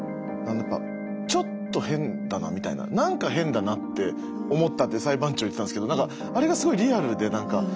ちょっと変だなみたいな何か変だなって思ったって裁判長言ってたんですけどあれがすごいリアルでなんか。